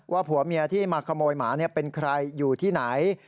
ผัวเมียที่มาขโมยหมาเป็นใครอยู่ที่ไหน